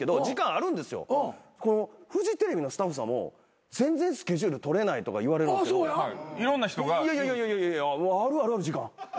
フジテレビのスタッフさんも全然スケジュール取れないとか言われるんですけどいやいやいやあるあるある時間。